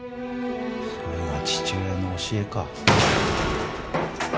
それが父親の教えか？